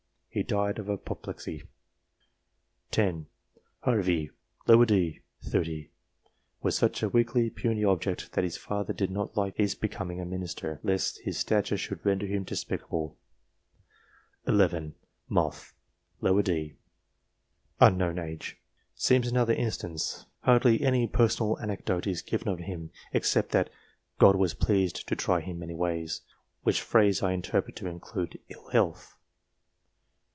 He died of apoplexy. 10. Harvey, d. set. 30, was such a weakly, puny object, that his father did not like his becoming a minister, " lest his stature should render him despicable." 11. Moth, d. set. ? seems another instance. Hardly any personal anecdote is given of him, except that " God was pleased to try him many ways," which phrase I s 258 DIVINES interpret to include ill health.